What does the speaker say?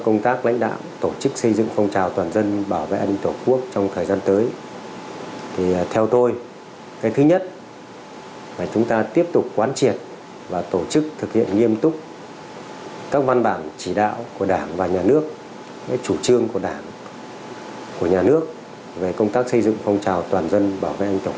chúng ta thường xuyên tổ chức sơ kết tổng kết rút kinh nghiệm và kịp thời biểu dương khen thưởng các tập thể cá nhân có thành tích xuất sắc